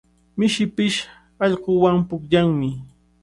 Mishipish allquwan pukllanmi.